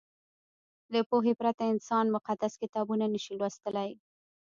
له پوهې پرته انسان مقدس کتابونه نه شي لوستلی.